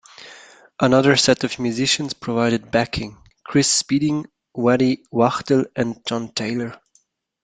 Another set of musicians provided backing: Chris Spedding, Waddy Wachtel and John Taylor.